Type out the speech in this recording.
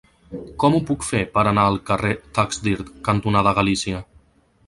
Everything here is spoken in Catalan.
Com ho puc fer per anar al carrer Taxdirt cantonada Galícia?